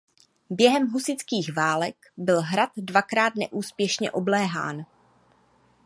Během husitských válek byl hrad dvakrát neúspěšně obléhán.